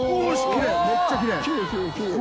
きれいめっちゃきれい。